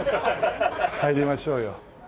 入りましょうよ。